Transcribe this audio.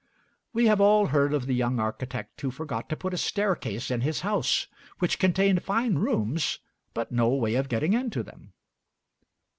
We have all heard of the young architect who forgot to put a staircase in his house, which contained fine rooms, but no way of getting into them.